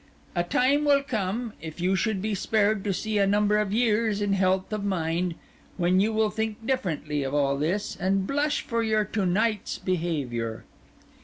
A time will come, if you should be spared to see a number of years in health of mind, when you will think differently of all this, and blush for your to night's behaviour."